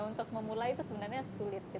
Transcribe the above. untuk memulai itu sebenarnya sulit